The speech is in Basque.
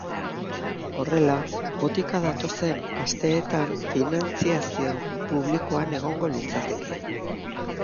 Horrela, botika datozen asteetan finantziazio publikoan egongo litzateke.